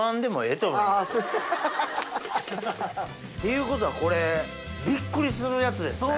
いうことはこれびっくりするやつですね。